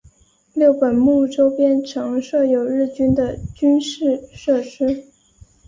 六本木周边曾设有日军的军事设施。